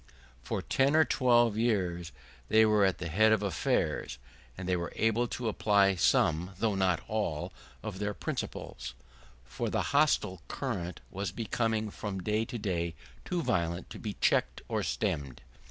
For ten or twelve years they were at the head of affairs, and they were able to apply some, though not all, of their principles; for the hostile current was becoming from day to day too violent to be checked or stemmed.